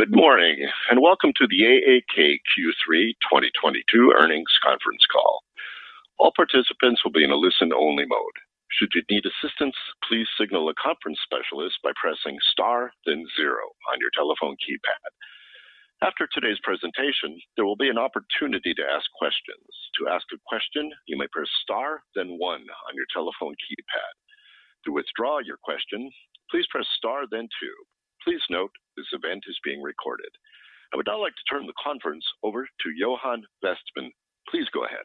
Good morning, and welcome to the AAK Q3 2022 Earnings Conference Call. All participants will be in a listen only mode. Should you need assistance, please signal a conference specialist by pressing Star then zero on your telephone keypad. After today's presentation, there will be an opportunity to ask questions. To ask a question, you may press Star then one on your telephone keypad. To withdraw your question, please press Star then two. Please note, this event is being recorded. I would now like to turn the conference over to Johan Westman. Please go ahead.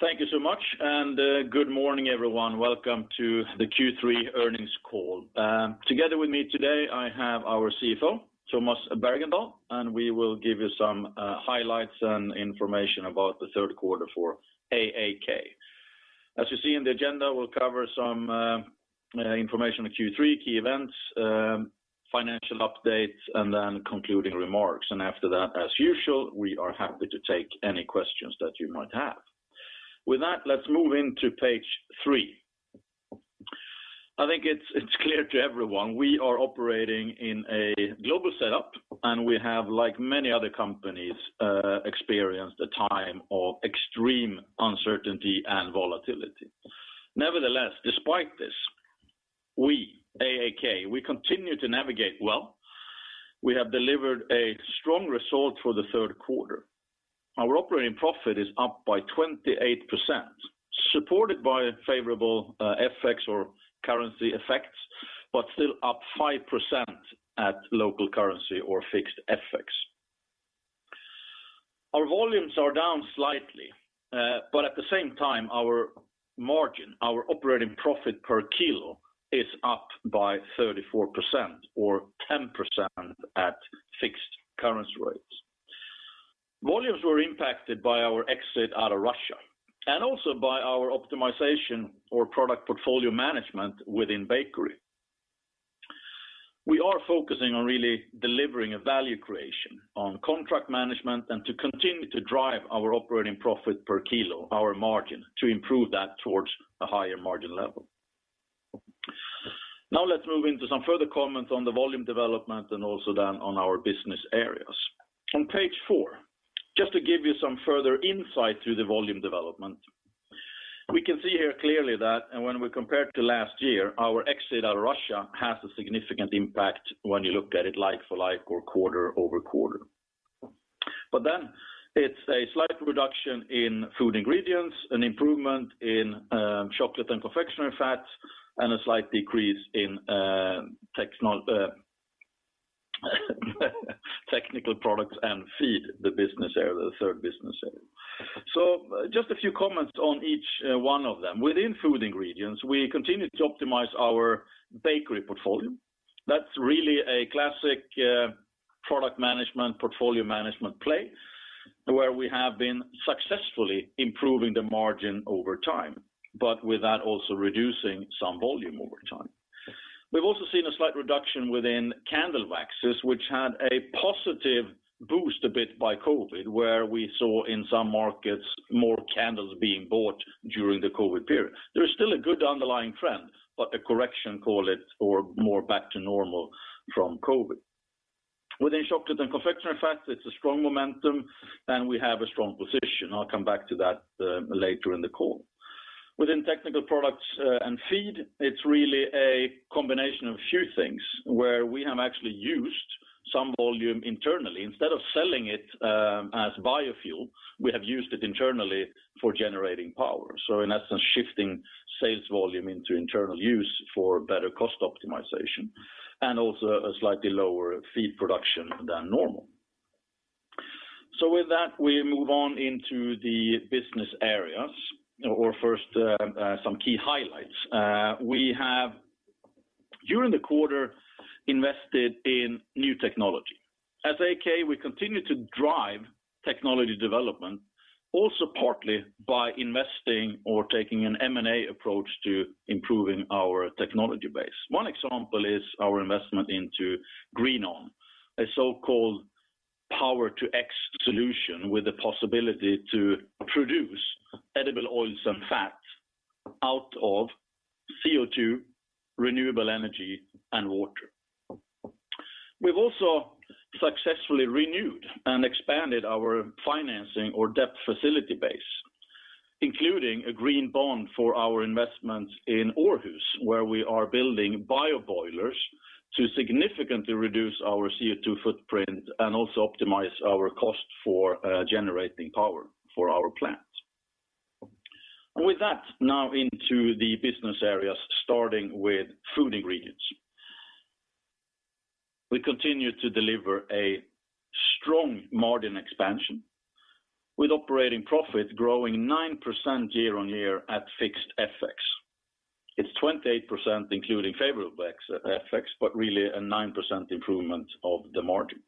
Thank you so much, and good morning, everyone. Welcome to the Q3 earnings call. Together with me today, I have our CFO, Tomas Bergendahl, and we will give you some highlights and information about the third quarter for AAK. As you see in the agenda, we'll cover some information on Q3 key events, financial updates, and then concluding remarks. After that, as usual, we are happy to take any questions that you might have. With that, let's move into page three. I think it's clear to everyone, we are operating in a global setup, and we have, like many other companies, experienced a time of extreme uncertainty and volatility. Nevertheless, despite this, we, AAK, we continue to navigate well. We have delivered a strong result for the third quarter. Our operating profit is up by 28%, supported by a favorable FX or currency effects, but still up 5% at local currency or fixed FX. Our volumes are down slightly, but at the same time, our margin, our operating profit per kilo is up by 34% or 10% at fixed currency rates. Volumes were impacted by our exit out of Russia, and also by our optimization or product portfolio management within bakery. We are focusing on really delivering a value creation on contract management and to continue to drive our operating profit per kilo, our margin, to improve that towards a higher margin level. Now let's move into some further comments on the volume development and also then on our business areas. On page four, just to give you some further insight through the volume development. We can see here clearly that when we compare to last year, our exit out of Russia has a significant impact when you look at it like for like or quarter-over-quarter. It's a slight reduction in Food Ingredients, an improvement in Chocolate and Confectionery Fats, and a slight decrease in Technical Products & Feed, the business area, the third business area. Just a few comments on each one of them. Within Food Ingredients, we continue to optimize our bakery portfolio. That's really a classic product management, portfolio management play, where we have been successfully improving the margin over time, but with that, also reducing some volume over time. We've also seen a slight reduction within candle waxes, which had a positive boost a bit by COVID, where we saw in some markets more candles being bought during the COVID period. There is still a good underlying trend, but a correction, call it, or more back to normal from COVID. Within Chocolate and Confectionery Fats, it's a strong momentum, and we have a strong position. I'll come back to that, later in the call. Within Technical Products and Feed, it's really a combination of a few things where we have actually used some volume internally. Instead of selling it, as biofuel, we have used it internally for generating power. In essence, shifting sales volume into internal use for better cost optimization and also a slightly lower feed production than normal. With that, we move on into the business areas or first, some key highlights. We have, during the quarter, invested in new technology. As AAK, we continue to drive technology development also partly by investing or taking an M&A approach to improving our technology base. One example is our investment into Green-On, a so-called Power-to-X solution with the possibility to produce edible oils and fats out of CO₂, renewable energy, and water. We've also successfully renewed and expanded our financing or debt facility base, including a green bond for our investment in Aarhus, where we are building bio boilers to significantly reduce our CO₂ footprint and also optimize our cost for generating power for our plant. With that, now into the business areas, starting with Food Ingredients. We continue to deliver a strong margin expansion with operating profit growing 9% year-on-year at fixed FX. It's 28%, including favorable FX, but really a 9% improvement of the margin.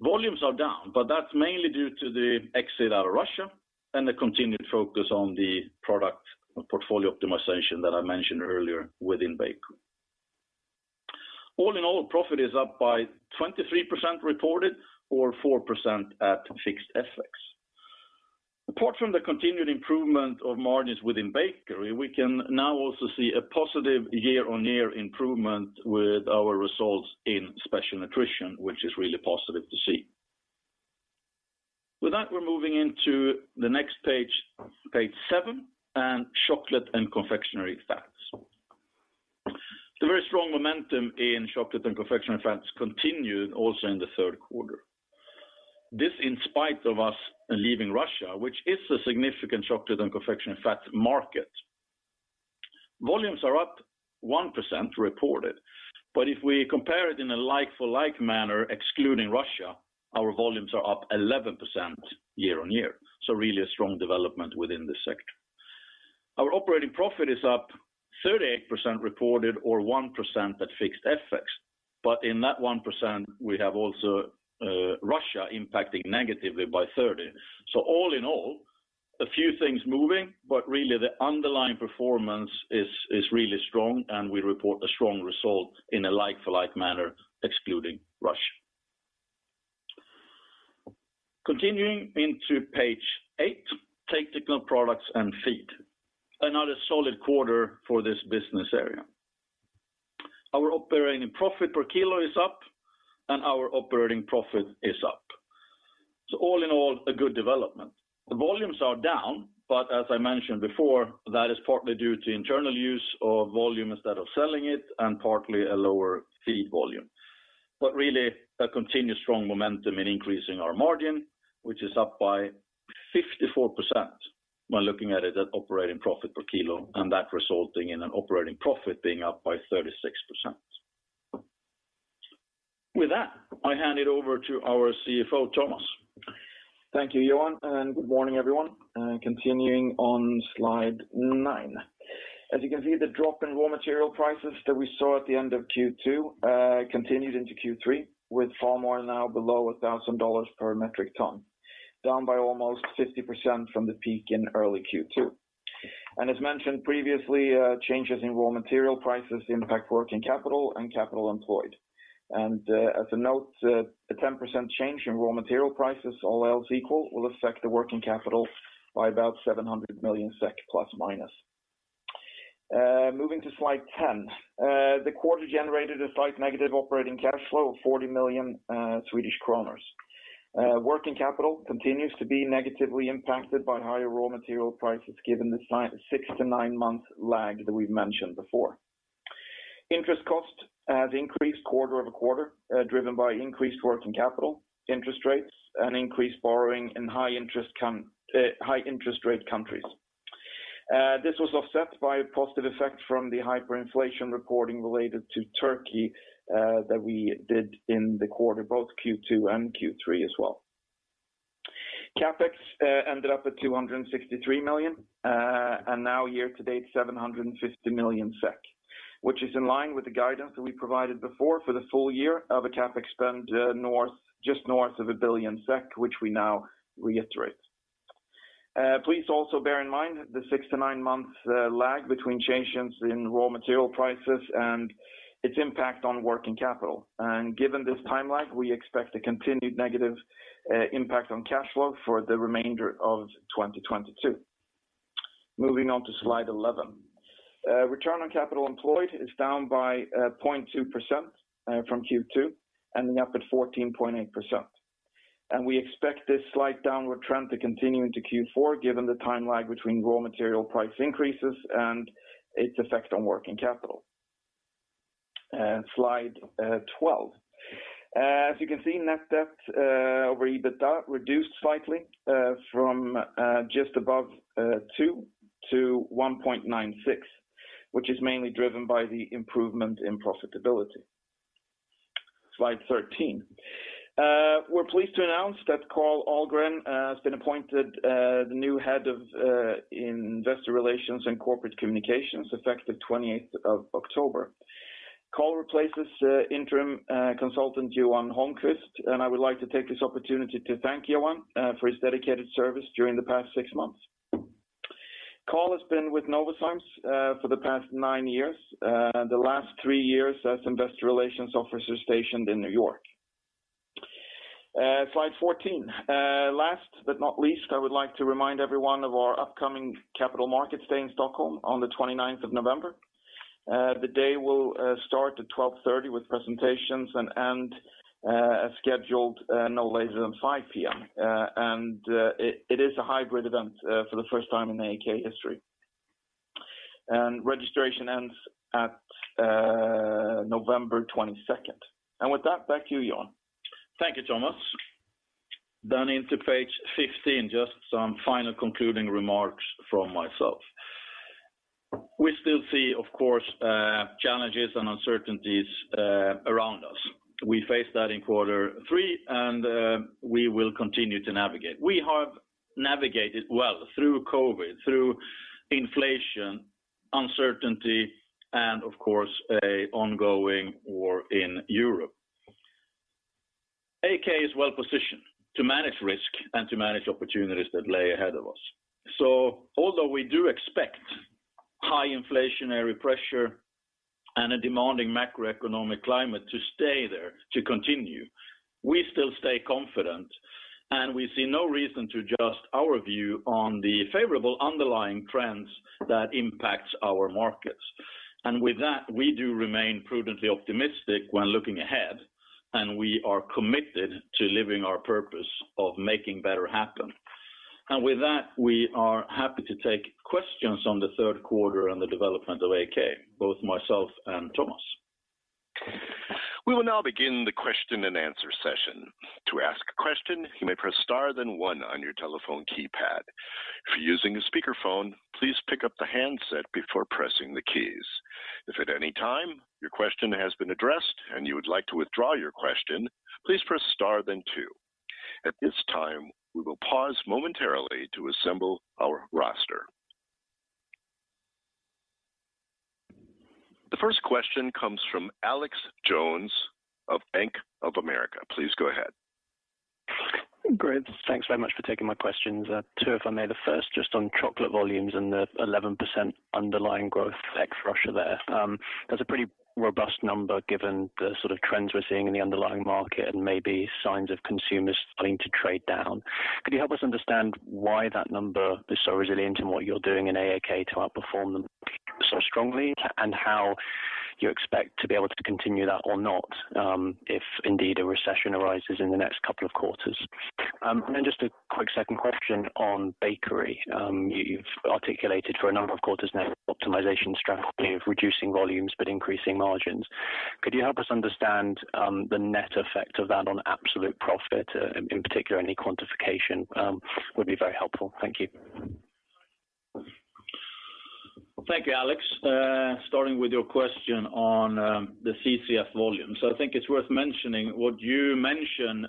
Volumes are down, but that's mainly due to the exit out of Russia and the continued focus on the product portfolio optimization that I mentioned earlier within bakery. All in all, profit is up by 23% reported or 4% at fixed FX. Apart from the continued improvement of margins within bakery, we can now also see a positive year-on-year improvement with our results in Special Nutrition, which is really positive to see. With that, we're moving into the next page seven, and Chocolate and Confectionery Fats. The very strong momentum in Chocolate and Confectionery Fats continued also in the third quarter. This in spite of us leaving Russia, which is a significant Chocolate and Confectionery Fats market. Volumes are up 1% reported, but if we compare it in a like-for-like manner, excluding Russia, our volumes are up 11% year-on-year. Really a strong development within this sector. Our operating profit is up 38% reported or 1% at fixed FX. In that 1%, we have also Russia impacting negatively by 30%. All in all, a few things moving, but really the underlying performance is really strong and we report a strong result in a like for like manner excluding Russia. Continuing into page eight, Technical Products and Feed. Another solid quarter for this business area. Our operating profit per kilo is up and our operating profit is up. All in all, a good development. The volumes are down, but as I mentioned before, that is partly due to internal use of volume instead of selling it and partly a lower feed volume. Really a continued strong momentum in increasing our margin, which is up by 54% when looking at it at operating profit per kilo, and that resulting in an operating profit being up by 36%. With that, I hand it over to our CFO, Tomas. Thank you, Johan, and good morning, everyone, and continuing on slide nine. As you can see, the drop in raw material prices that we saw at the end of Q2 continued into Q3, with palm oil now below $1,000 per metric ton, down by almost 50% from the peak in early Q2. As mentioned previously, changes in raw material prices impact working capital and capital employed. As a note, a 10% change in raw material prices, all else equal, will affect the working capital by about 700 million SEK, plus or minus. Moving to slide ten. The quarter generated a slight negative operating cash flow of 40 million Swedish kronor. Working capital continues to be negatively impacted by higher raw material prices given the six months to nine months lag that we've mentioned before. Interest cost has increased quarter-over-quarter, driven by increased working capital interest rates and increased borrowing in high interest rate countries. This was offset by a positive effect from the hyperinflation reporting related to Turkey, that we did in the quarter, both Q2 and Q3 as well. CapEx ended up at 263 million, and now year to date, 750 million SEK, which is in line with the guidance that we provided before for the full year of a CapEx spend, just north of 1 billion SEK, which we now reiterate. Please also bear in mind the six to nine months lag between changes in raw material prices and its impact on working capital. Given this timeline, we expect a continued negative impact on cash flow for the remainder of 2022. Moving on to slide 11. Return on capital employed is down by 0.2% from Q2, ending up at 14.8%. We expect this slight downward trend to continue into Q4, given the time lag between raw material price increases and its effect on working capital. Slide 12. As you can see, net debt over EBITDA reduced slightly from just above 2% to 1.96%, which is mainly driven by the improvement in profitability. Slide 13. We're pleased to announce that Carl Ahlgren has been appointed the new head of investor relations and corporate communications, effective 28th of October. Carl Ahlgren replaces interim consultant Johan Holmqvist, and I would like to take this opportunity to thank Johan for his dedicated service during the past six months. Carl Ahlgren has been with Novozymes for the past nine years, the last three years as investor relations officer stationed in New York. Slide 14. Last but not least, I would like to remind everyone of our upcoming Capital Markets Day in Stockholm on the 29th of November. The day will start at 12:30 P.M with presentations and end as scheduled no later than 5:00 P.M. It is a hybrid event for the first time in AAK history. Registration ends at November 22. With that, back to you, Johan. Thank you, Tomas. Into page 15, just some final concluding remarks from myself. We still see, of course, challenges and uncertainties around us. We face that in quarter three, and we will continue to navigate. We have navigated well through COVID, through inflation, uncertainty, and of course, an ongoing war in Europe. AAK is well-positioned to manage risk and to manage opportunities that lay ahead of us. Although we do expect high inflationary pressure and a demanding macroeconomic climate to stay there, to continue, we still stay confident, and we see no reason to adjust our view on the favorable underlying trends that impacts our markets. With that, we do remain prudently optimistic when looking ahead, and we are committed to living our purpose of making better happen. With that, we are happy to take questions on the third quarter and the development of AAK, both myself and Tomas. We will now begin the question-and-answer session. To ask a question, you may press star then one on your telephone keypad. If you're using a speakerphone, please pick up the handset before pressing the keys. If at any time your question has been addressed and you would like to withdraw your question, please press star then two. At this time, we will pause momentarily to assemble our roster. The first question comes from Alexander Jones of Bank of America. Please go ahead. Great. Thanks very much for taking my questions. Two, if I may. The first, just on chocolate volumes and the 11% underlying growth ex Russia there. That's a pretty robust number given the sort of trends we're seeing in the underlying market and maybe signs of consumers starting to trade down. Could you help us understand why that number is so resilient and what you're doing in AAK to outperform them so strongly, and how you expect to be able to continue that or not, if indeed a recession arises in the next couple of quarters? And then just a quick second question on bakery. You've articulated for a number of quarters now optimization strategy of reducing volumes but increasing margins. Could you help us understand the net effect of that on absolute profit? In particular, any quantification would be very helpful. Thank you. Thank you, Alex. Starting with your question on the CCF volumes. I think it's worth mentioning what you mention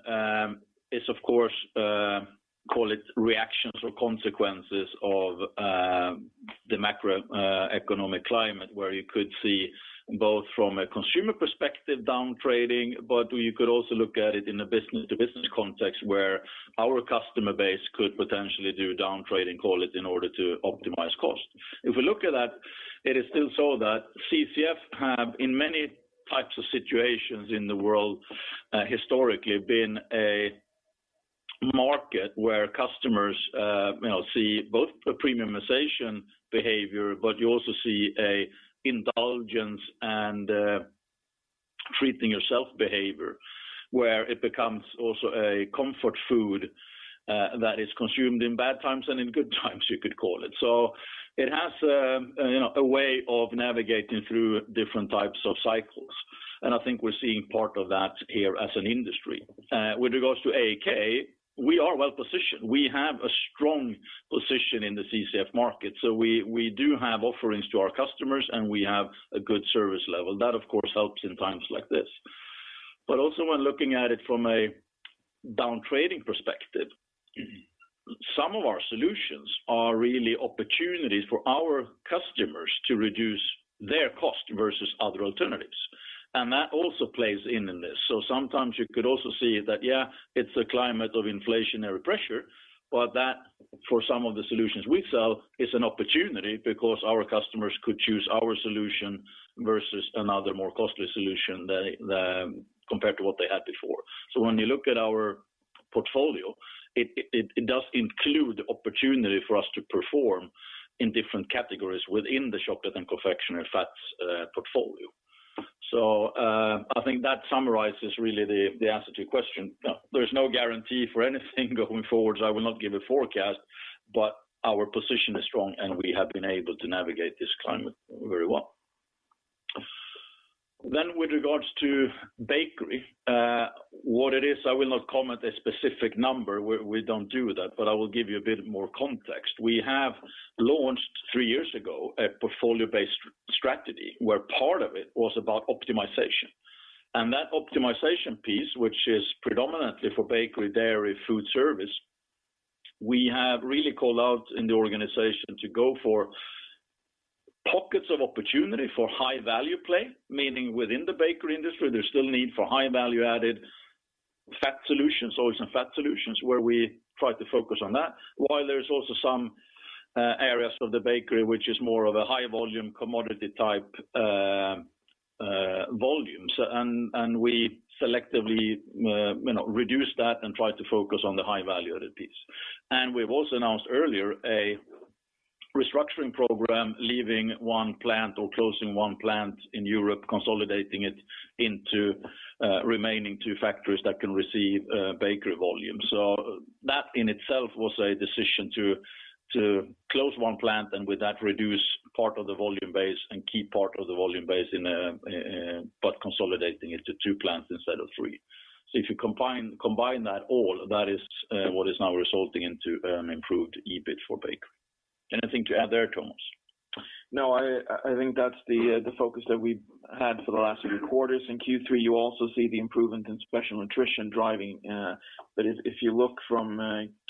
is of course call it reactions or consequences of the macro economic climate, where you could see both from a consumer perspective down trading, but you could also look at it in a business-to-business context where our customer base could potentially do down trade and call it in order to optimize cost. If we look at that, it is still so that CCF have, in many types of situations in the world, historically been a market where customers, you know, see both a premiumization behavior, but you also see an indulgence and treating yourself behavior, where it becomes also a comfort food that is consumed in bad times and in good times, you could call it. It has, you know, a way of navigating through different types of cycles, and I think we're seeing part of that here as an industry. With regards to AAK, we are well-positioned. We have a strong position in the CCF market, so we do have offerings to our customers, and we have a good service level. That, of course, helps in times like this. Also when looking at it from a down trading perspective, some of our solutions are really opportunities for our customers to reduce their cost versus other alternatives. That also plays in this. Sometimes you could also see that, yeah, it's a climate of inflationary pressure, but that for some of the solutions we sell is an opportunity because our customers could choose our solution versus another more costly solution compared to what they had before. When you look at our portfolio, it does include opportunity for us to perform in different categories within the Chocolate and Confectionery Fats portfolio. I think that summarizes really the answer to your question. There is no guarantee for anything going forward, so I will not give a forecast, but our position is strong, and we have been able to navigate this climate very well. With regards to bakery, what it is, I will not comment a specific number. We don't do that, but I will give you a bit more context. We have launched three years ago a portfolio-based strategy where part of it was about optimization. That optimization piece, which is predominantly for bakery, dairy, food service, we have really called out in the organization to go for pockets of opportunity for high-value play, meaning within the bakery industry, there's still need for high-value-added fat solutions, oils and fat solutions, where we try to focus on that. While there is also some areas of the bakery which is more of a high volume commodity type volumes, and we selectively, you know, reduce that and try to focus on the high-value-added piece. We've also announced earlier a restructuring program, leaving one plant or closing one plant in Europe, consolidating it into remaining two factories that can receive bakery volume. That in itself was a decision to close one plant and with that reduce part of the volume base and keep part of the volume base in, but consolidating it to two plants instead of three. If you combine that all, that is what is now resulting into improved EBIT for bakery. Anything to add there, Tomas? No, I think that's the focus that we've had for the last few quarters. In Q3, you also see the improvement in Special Nutrition driving, but if you look from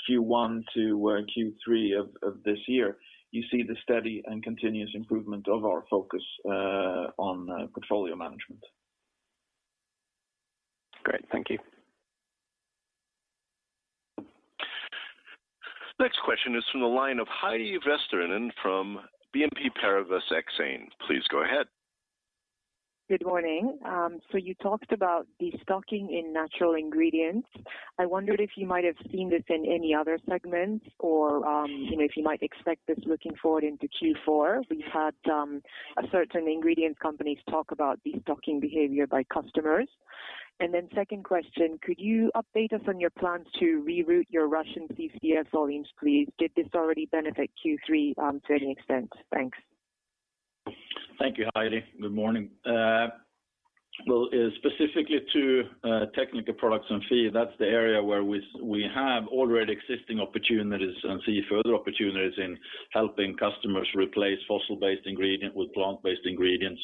Q1 to Q3 of this year, you see the steady and continuous improvement of our focus on portfolio management. Thank you. Next question is from the line of Heidi Vesterinen from BNP Paribas Exane. Please go ahead. Good morning. You talked about destocking in natural ingredients. I wondered if you might have seen this in any other segments or, you know, if you might expect this looking forward into Q4. We've had certain ingredient companies talk about destocking behavior by customers. Second question, could you update us on your plans to reroute your Russian CCF volumes, please? Did this already benefit Q3 to any extent? Thanks. Thank you, Heidi. Good morning. Well, specifically to Technical Products & Feed, that's the area where we have already existing opportunities and see further opportunities in helping customers replace fossil-based ingredient with plant-based ingredients.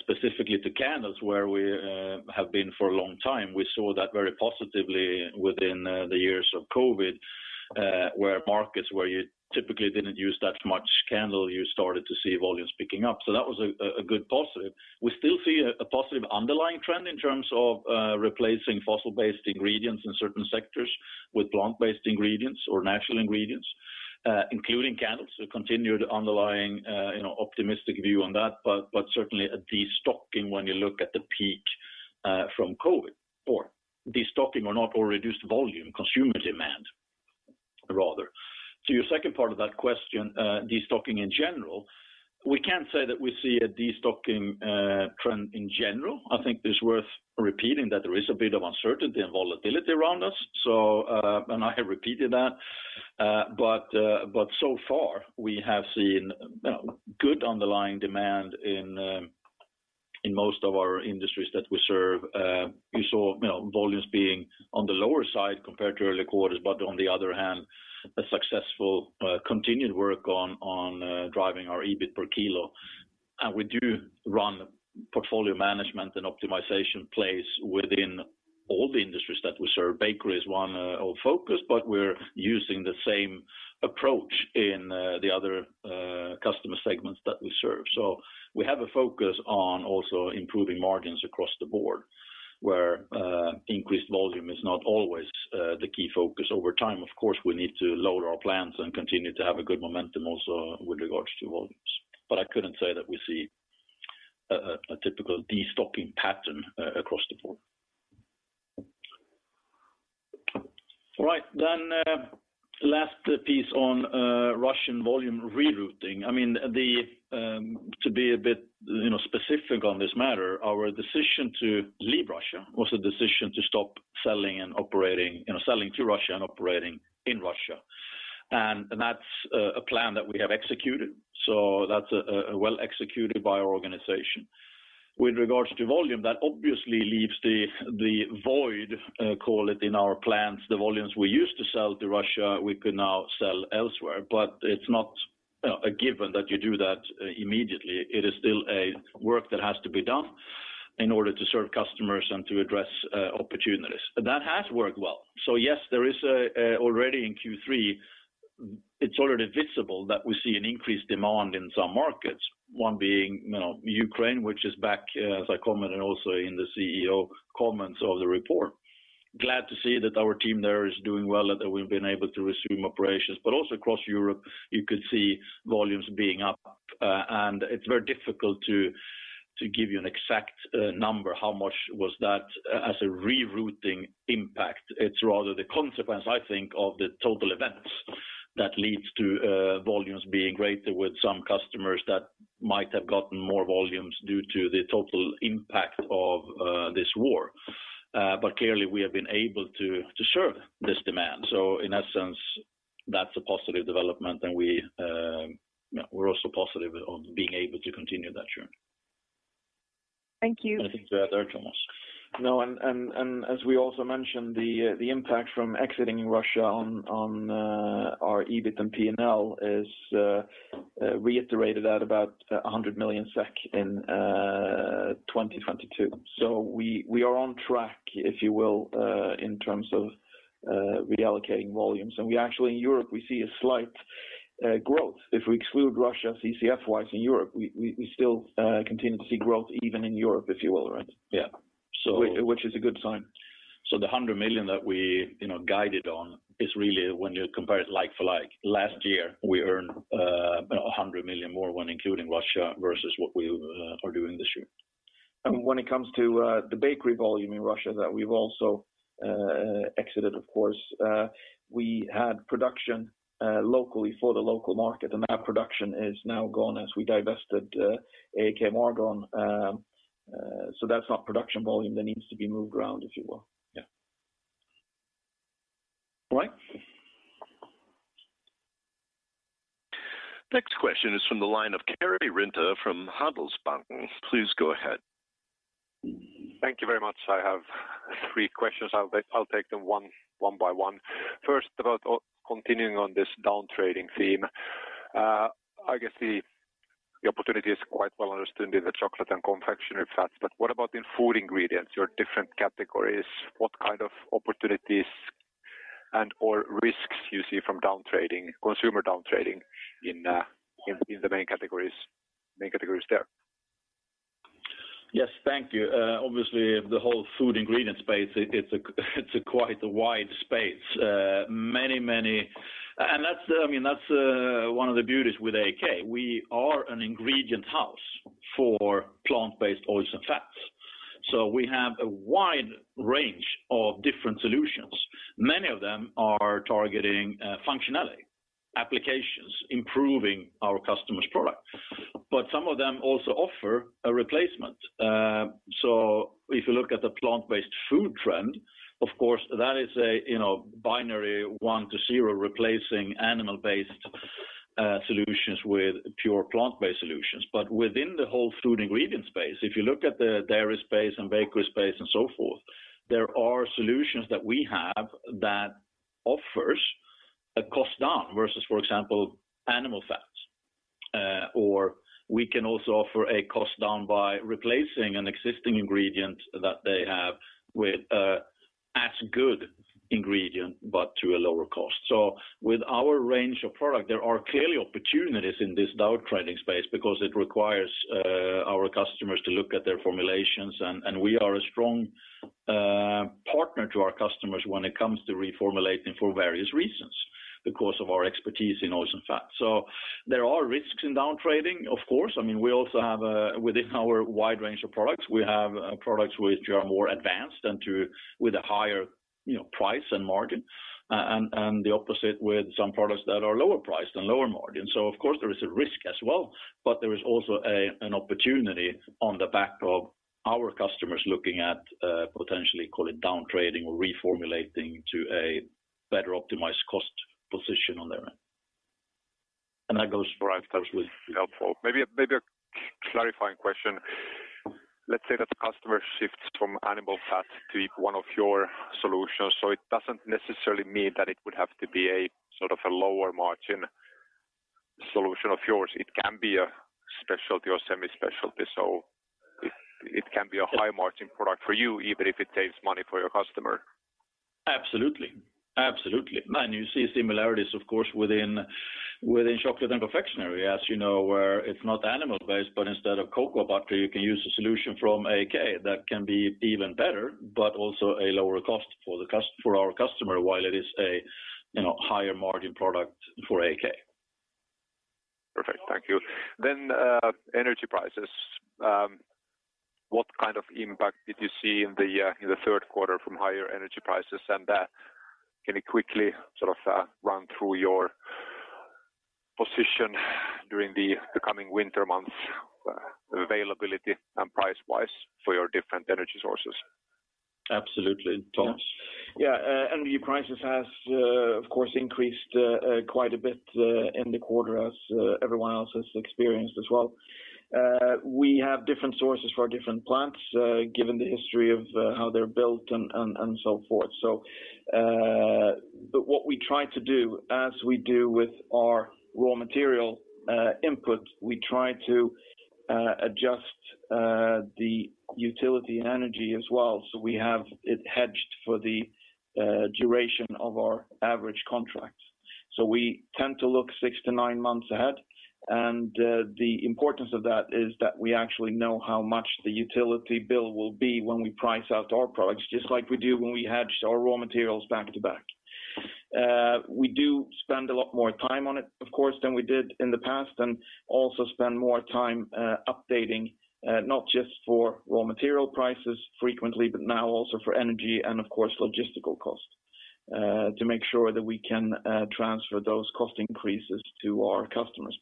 Specifically to candles, where we have been for a long time, we saw that very positively within the years of COVID, where markets where you typically didn't use that much candle, you started to see volumes picking up. That was a good positive. We still see a positive underlying trend in terms of replacing fossil-based ingredients in certain sectors with plant-based ingredients or natural ingredients, including candles. We continue the underlying, you know, optimistic view on that. But certainly a destocking when you look at the peak from COVID or destocking or not or reduced volume, consumer demand rather. To your second part of that question, destocking in general, we can't say that we see a destocking trend in general. I think it's worth repeating that there is a bit of uncertainty and volatility around us. I have repeated that. So far, we have seen good underlying demand in most of our industries that we serve. You saw, you know, volumes being on the lower side compared to early quarters, but on the other hand, a successful continued work on driving our EBIT per kilo. We do run portfolio management and optimization plays within all the industries that we serve. Bakery is one of focus, but we're using the same approach in the other customer segments that we serve. We have a focus on also improving margins across the board, where increased volume is not always the key focus over time. Of course, we need to load our plans and continue to have a good momentum also with regards to volumes. I couldn't say that we see a typical destocking pattern across the board. All right. Last piece on Russian volume rerouting. I mean, to be a bit, you know, specific on this matter, our decision to leave Russia was a decision to stop selling and operating, you know, selling to Russia and operating in Russia. That's well-executed by our organization. With regards to volume, that obviously leaves the void, call it in our plans, the volumes we used to sell to Russia, we could now sell elsewhere. It's not, you know, a given that you do that immediately. It is still a work that has to be done in order to serve customers and to address opportunities. That has worked well. Yes, there is already in Q3, it's already visible that we see an increased demand in some markets, one being, you know, Ukraine, which is back, as I commented also in the CEO comments of the report. Glad to see that our team there is doing well, that we've been able to resume operations. Also across Europe, you could see volumes being up. It's very difficult to give you an exact number how much that was as a rerouting impact. It's rather the consequence, I think, of the total events that leads to volumes being greater with some customers that might have gotten more volumes due to the total impact of this war. Clearly, we have been able to serve this demand. In that sense, that's a positive development, and we, you know, we're also positive on being able to continue that journey. Thank you. Anything to add there, Tomas? No. As we also mentioned, the impact from exiting Russia on our EBIT and P&L is reiterated at about 100 million SEK in 2022. We are on track, if you will, in terms of reallocating volumes. We actually see a slight growth in Europe. If we exclude Russia, CCF-wise in Europe, we still continue to see growth even in Europe, if you will, right? Yeah. Which is a good sign. The 100 million that we, you know, guided on is really when you compare it like for like. Last year, we earned 100 million more when including Russia versus what we are doing this year. When it comes to the bakery volume in Russia that we've also exited, of course, we had production locally for the local market, and that production is now gone as we divested AAK Margaron. So that's not production volume that needs to be moved around, if you will. Yeah. All right. Next question is from the line of Karri Rinta from Handelsbanken. Please go ahead. Thank you very much. I have three questions. I'll take them one by one. First, about continuing on this downtrading theme. I guess the opportunity is quite well understood in the Chocolate and Confectionery Fats, but what about in Food Ingredients, your different categories? What kind of opportunities and/or risks you see from downtrading, consumer downtrading in the main categories there. Yes, thank you. Obviously, the whole food ingredient space, it's quite a wide space. Many. I mean, that's one of the beauties with AAK. We are an ingredient house for plant-based oils and fats. We have a wide range of different solutions. Many of them are targeting functionality, applications, improving our customers' product. Some of them also offer a replacement. If you look at the plant-based food trend, of course, that is, you know, binary one to zero replacing animal-based solutions with pure plant-based solutions. Within the whole food ingredient space, if you look at the dairy space and bakery space and so forth, there are solutions that we have that offers a cost down versus, for example, animal fats. We can also offer a cost down by replacing an existing ingredient that they have with a good ingredient, but to a lower cost. With our range of product, there are clearly opportunities in this downtrading space because it requires our customers to look at their formulations. We are a strong partner to our customers when it comes to reformulating for various reasons because of our expertise in oils and fats. There are risks in downtrading, of course. I mean, we also have, within our wide range of products, we have products which are more advanced and with a higher, you know, price and margin, and the opposite with some products that are lower priced and lower margin. Of course, there is a risk as well, but there is also an opportunity on the back of our customers looking at potentially call it downtrading or reformulating to a better optimized cost position on their end. That goes- Right. That was helpful. Maybe a clarifying question. Let's say that the customer shifts from animal fat to one of your solutions. It doesn't necessarily mean that it would have to be sort of a lower margin solution of yours. It can be a specialty or semi-specialty, so it can be a high margin product for you, even if it saves money for your customer. Absolutely. You see similarities, of course, within chocolate and confectionery, as you know, where it's not animal-based, but instead of cocoa butter, you can use a solution from AAK that can be even better, but also a lower cost for our customer, while it is a, you know, higher margin product for AAK. Perfect. Thank you. Energy prices. What kind of impact did you see in the third quarter from higher energy prices? Can you quickly sort of run through your position during the coming winter months, availability and price-wise for your different energy sources? Absolutely. Tomas? Yeah, energy prices has, of course, increased, quite a bit, in the quarter as everyone else has experienced as well. We have different sources for different plants, given the history of how they're built and so forth. What we try to do, as we do with our raw material input, we try to adjust the utility and energy as well. We have it hedged for the duration of our average contracts. We tend to look six to nine months ahead. The importance of that is that we actually know how much the utility bill will be when we price out our products, just like we do when we hedge our raw materials back to back. We do spend a lot more time on it, of course, than we did in the past, and also spend more time updating, not just for raw material prices frequently, but now also for energy and of course, logistical costs, to make sure that we can transfer those cost increases to our customers.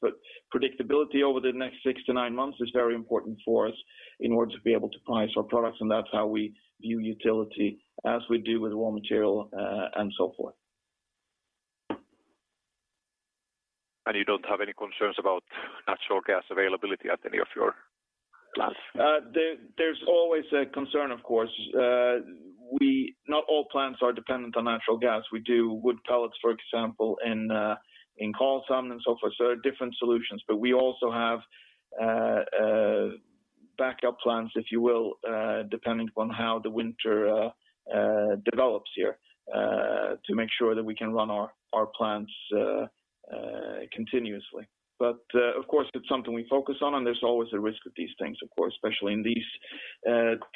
Predictability over the next 6 months-9 months is very important for us in order to be able to price our products, and that's how we view utility as we do with raw material, and so forth. You don't have any concerns about natural gas availability at any of your plants? There's always a concern, of course. Not all plants are dependent on natural gas. We do wood pellets, for example, in Karlshamn and so forth. There are different solutions, but we also have backup plans, if you will, depending on how the winter develops here, to make sure that we can run our plants continuously. Of course, it's something we focus on, and there's always a risk with these things, of course, especially in these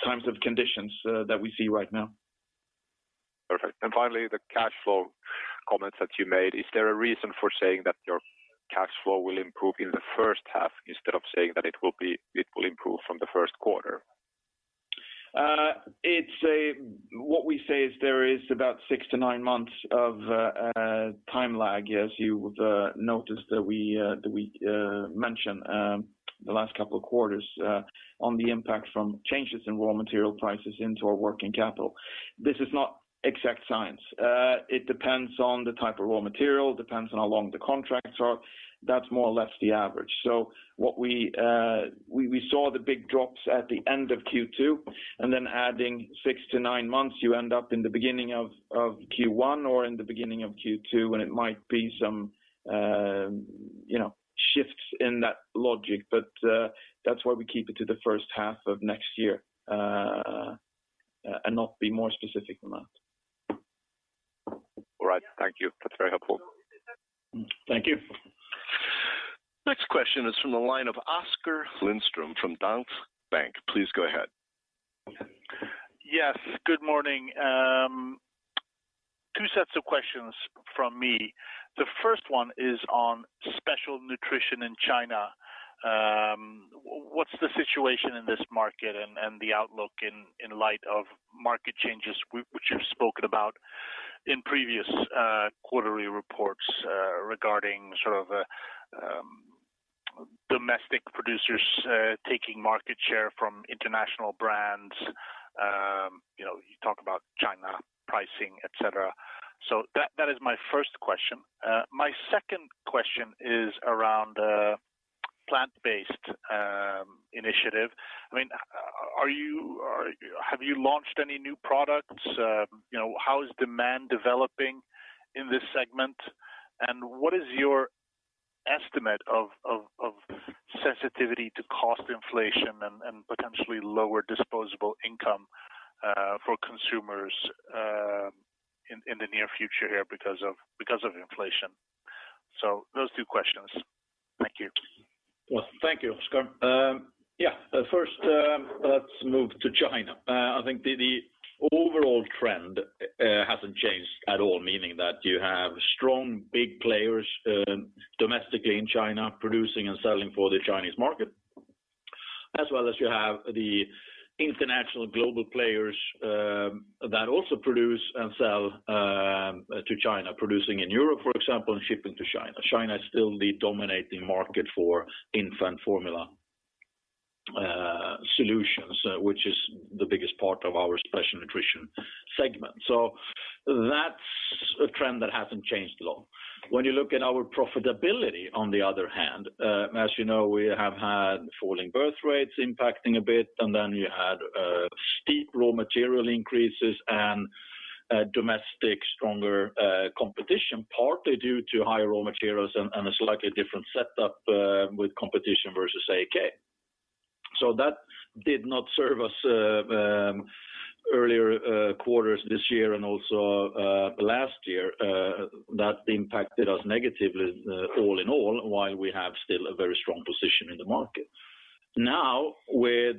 times of conditions that we see right now. Perfect. Finally, the cash flow comments that you made. Is there a reason for saying that your cash flow will improve in the first half instead of saying that it will improve from the first quarter? What we say is there is about six to nine months of time lag, as you've noticed that we mentioned the last couple of quarters on the impact from changes in raw material prices into our working capital. This is not exact science. It depends on the type of raw material, depends on how long the contracts are. That's more or less the average. So what we saw the big drops at the end of Q2, and then adding six to nine months, you end up in the beginning of Q1 or in the beginning of Q2, and it might be some shifts in that logic. That's why we keep it to the first half of next year and not be more specific than that. All right. Thank you. That's very helpful. Thank you. Next question is from the line of Oskar Lindström from Danske Bank. Please go ahead. Yes, good morning. Two sets of questions from me. The first one is on Special Nutrition in China. What's the situation in this market and the outlook in light of market changes which you've spoken about in previous quarterly reports regarding sort of a domestic producers taking market share from international brands? You know, you talk about China pricing, et cetera. So that is my first question. My second question is around plant-based initiative. I mean, are you or have you launched any new products? You know, how is demand developing in this segment? And what is your estimate of sensitivity to cost inflation and potentially lower disposable income for consumers in the near future here because of inflation? So those two questions. Thank you. Well, thank you, Oskar. First, let's move to China. I think the overall trend hasn't changed at all, meaning that you have strong big players domestically in China producing and selling for the Chinese market, as well as you have the international global players that also produce and sell to China, producing in Europe, for example, and shipping to China. China is still the dominating market for infant formula solutions, which is the biggest part of our Special Nutrition segment. That's a trend that hasn't changed a lot. When you look at our profitability, on the other hand, as you know, we have had falling birth rates impacting a bit, and then you had steep raw material increases and stronger domestic competition, partly due to higher raw materials and a slightly different setup with competition versus AAK. That did not serve us earlier quarters this year and also last year. That impacted us negatively all in all, while we have still a very strong position in the market. Now, with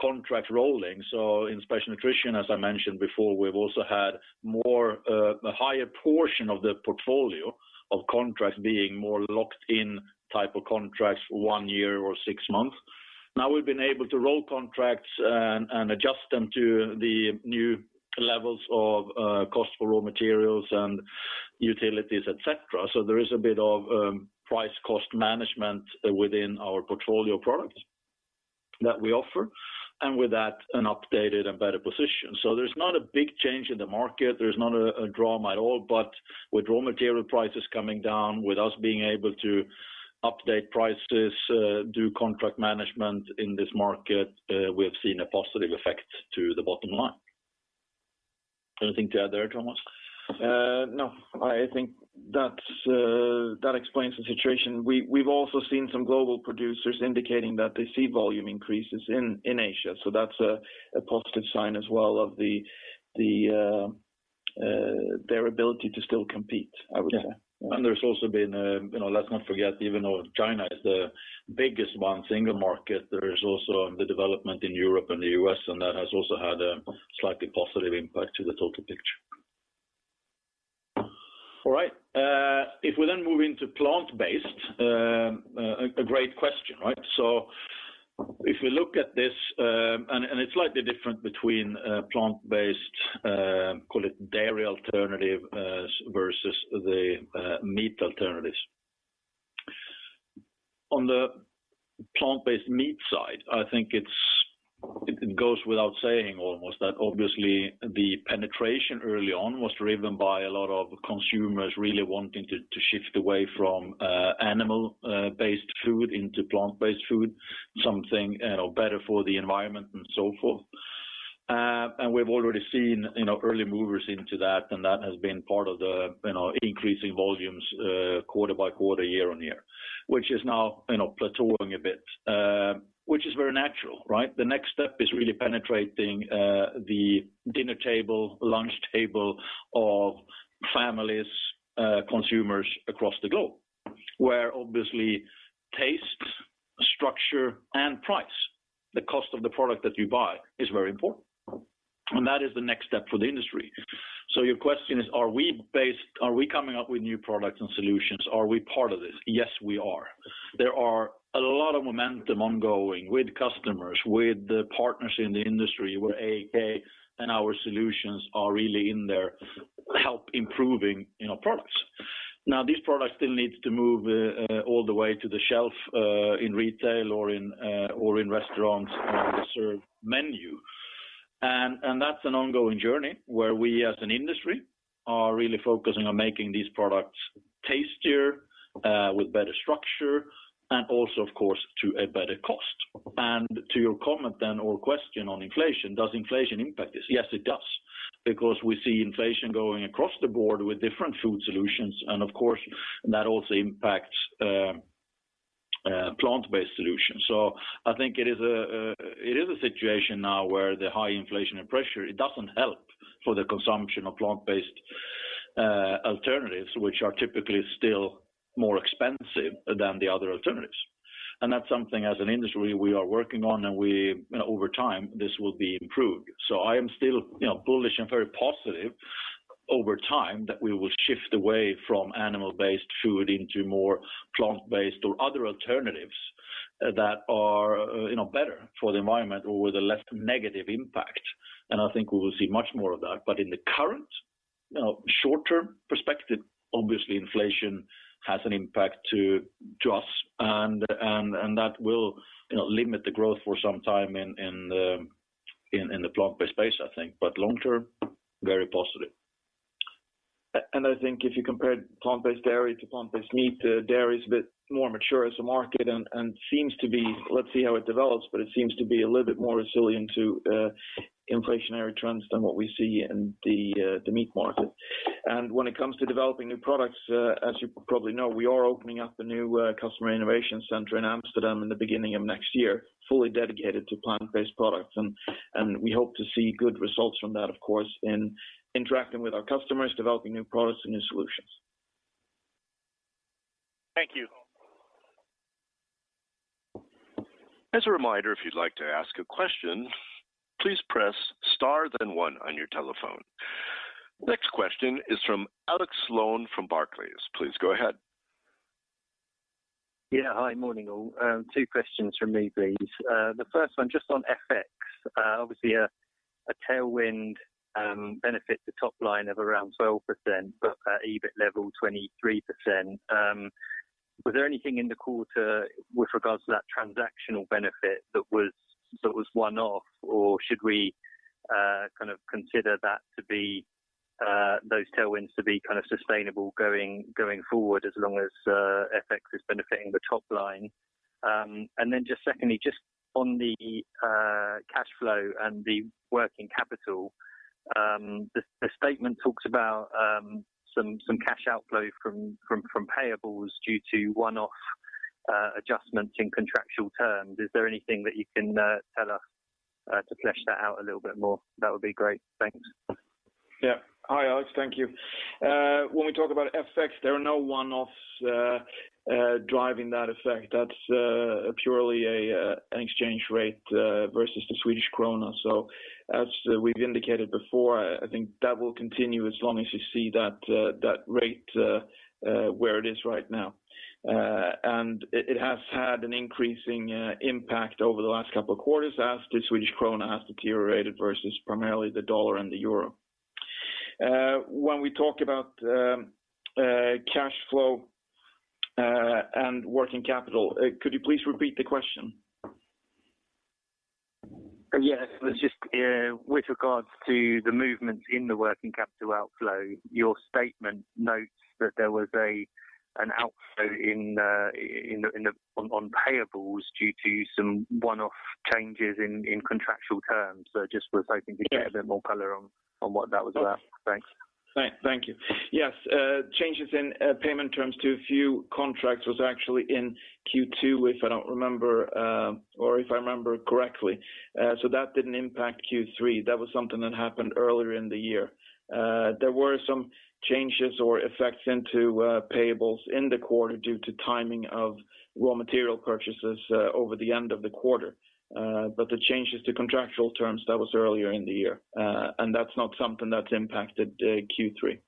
contracts rolling, in Special Nutrition, as I mentioned before, we've also had a higher portion of the portfolio of contracts being more locked-in type of contracts one year or six months. Now we've been able to roll contracts and adjust them to the new levels of cost for raw materials and utilities, et cetera. There is a bit of price cost management within our portfolio products that we offer, and with that, an updated and better position. There's not a big change in the market. There's not a drama at all. With raw material prices coming down, with us being able to update prices, do contract management in this market, we have seen a positive effect to the bottom line. Anything to add there, Tomas? No. I think that's that explains the situation. We've also seen some global producers indicating that they see volume increases in Asia. That's a positive sign as well of the their ability to still compete, I would say. There's also been, you know, let's not forget, even though China is the biggest one single market, there is also the development in Europe and the U.S., and that has also had a slightly positive impact to the total picture. All right. If we then move into plant-based, a great question, right? If we look at this, and it's slightly different between plant-based, call it dairy alternative versus the meat alternatives. On the plant-based meat side, I think it's. It goes without saying almost that obviously the penetration early on was driven by a lot of consumers really wanting to shift away from animal based food into plant-based food, something, you know, better for the environment and so forth. We've already seen, you know, early movers into that, and that has been part of the, you know, increasing volumes, quarter by quarter, year on year, which is now, you know, plateauing a bit, which is very natural, right? The next step is really penetrating the dinner table, lunch table of families, consumers across the globe, where obviously taste, structure, and price, the cost of the product that you buy is very important. That is the next step for the industry. Your question is, are we coming up with new products and solutions? Are we part of this? Yes, we are. There are a lot of momentum ongoing with customers, with the partners in the industry where AAK and our solutions are really in there help improving, you know, products. Now, these products still needs to move all the way to the shelf in retail or in restaurants on the service menu. That's an ongoing journey where we, as an industry, are really focusing on making these products tastier with better structure, and also, of course, to a better cost. To your comment then or question on inflation, does inflation impact this? Yes, it does. Because we see inflation going across the board with different food solutions, and of course, that also impacts plant-based solutions. I think it is a situation now where the high inflation and pressure, it doesn't help for the consumption of plant-based alternatives, which are typically still more expensive than the other alternatives. That's something as an industry we are working on, and we, you know, over time, this will be improved. I am still, you know, bullish and very positive over time that we will shift away from animal-based food into more plant-based or other alternatives that are, you know, better for the environment or with a less negative impact. I think we will see much more of that. In the current, you know, short-term perspective, obviously inflation has an impact to us, and that will, you know, limit the growth for some time in the plant-based space, I think. Long-term, very positive. I think if you compare plant-based dairy to plant-based meat, dairy is a bit more mature as a market and seems to be. Let's see how it develops, but it seems to be a little bit more resilient to inflationary trends than what we see in the meat market. When it comes to developing new products, as you probably know, we are opening up a new customer innovation center in Amsterdam in the beginning of next year, fully dedicated to plant-based products. We hope to see good results from that, of course, in interacting with our customers, developing new products and new solutions. Thank you. As a reminder, if you'd like to ask a question, please press star then one on your telephone. Next question is from Alex Sloane from Barclays. Please go ahead. Yeah. Hi. Morning, all. Two questions from me, please. The first one just on FX. Obviously a tailwind benefits the top line of around 12%, but at EBIT level, 23%. Was there anything in the quarter with regards to that transactional benefit that was one-off, or should we kind of consider that to be those tailwinds to be kind of sustainable going forward as long as FX is benefiting the top line? Just secondly, just on the cash flow and the working capital, the statement talks about some cash outflow from payables due to one-off adjustments in contractual terms. Is there anything that you can tell us to flesh that out a little bit more? That would be great. Thanks. Yeah. Hi, Alex. Thank you. When we talk about FX, there are no one-offs driving that effect. That's purely an exchange rate versus the Swedish krona. As we've indicated before, I think that will continue as long as you see that rate where it is right now. It has had an increasing impact over the last couple of quarters as the Swedish krona has deteriorated versus primarily the dollar and the euro. When we talk about cash flow and working capital, could you please repeat the question? Yes. It was just with regards to the movement in the working capital outflow. Your statement notes that there was an outflow in payables due to some one-off changes in contractual terms. Just was hoping to get a bit more color on what that was about. Thanks. Thank you. Yes. Changes in payment terms to a few contracts was actually in Q2, if I remember correctly. That didn't impact Q3. That was something that happened earlier in the year. There were some changes or effects into payables in the quarter due to timing of raw material purchases over the end of the quarter. The changes to contractual terms, that was earlier in the year. That's not something that's impacted Q3.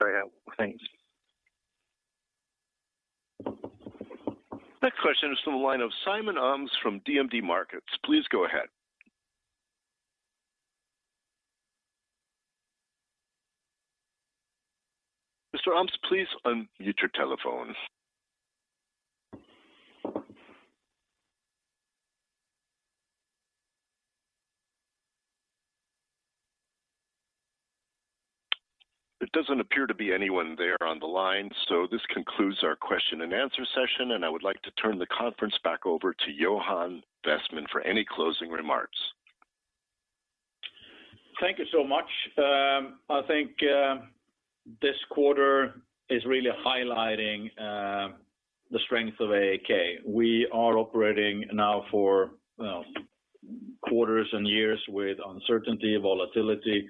Very helpful. Thanks. Next question is from the line of Simen Holmen from DNB Markets. Please go ahead. Mr. Holmes, please unmute your telephone. There doesn't appear to be anyone there on the line, so this concludes our question and answer session, and I would like to turn the conference back over to Johan Westman for any closing remarks. Thank you so much. I think this quarter is really highlighting the strength of AAK. We are operating now for, well, quarters and years with uncertainty, volatility,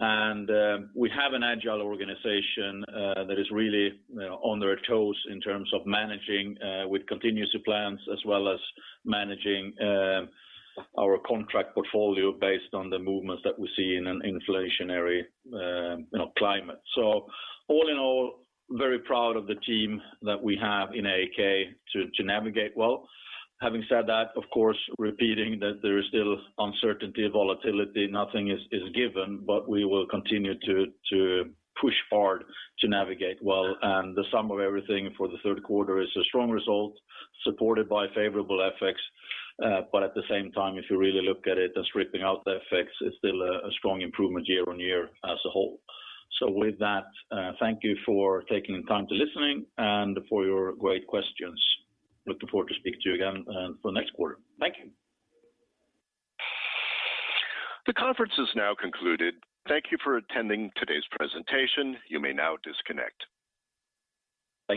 and we have an agile organization that is really, you know, on their toes in terms of managing with continuous plans as well as managing our contract portfolio based on the movements that we see in an inflationary, you know, climate. All in all, very proud of the team that we have in AAK to navigate well. Having said that, of course, repeating that there is still uncertainty and volatility. Nothing is given, but we will continue to push hard to navigate well. The sum of everything for the third quarter is a strong result supported by favorable FX. At the same time, if you really look at it and stripping out the FX, it's still a strong improvement year-on-year as a whole. With that, thank you for taking the time to listen and for your great questions. Looking forward to speaking to you again for the next quarter. Thank you. The conference is now concluded. Thank you for attending today's presentation. You may now disconnect.